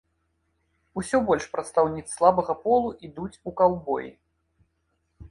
Усё больш прадстаўніц слабага полу ідуць у каўбоі.